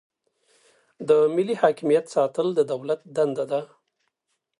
د ملي حاکمیت ساتل د دولت دنده ده.